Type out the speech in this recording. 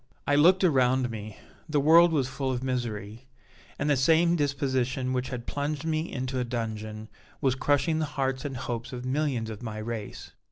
"I looked around me the world was full of misery and the same disposition which had plunged me into a dungeon was crushing the hearts and hopes of millions of my race.